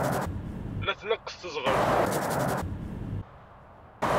La tneqqes teẓɣelt.